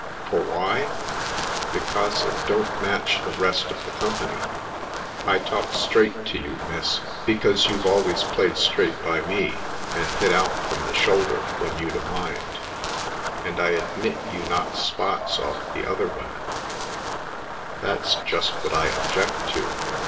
For why? Becos it don't match the rest of the company. I talk straight to you, miss, because you've always played straight by me, and hit out from the shoulder when you'd a mind, and I admit you knock spots off the other women — that's just what I object to.